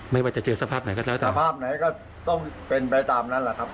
ไม่ว่าจะเจอสภาพไหนก็ได้สภาพไหนก็ต้องเป็นไปตามนั้นแหละครับ